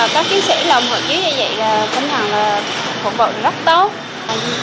các chiến sĩ làm hộ chiếu như vậy là phục vụ rất tốt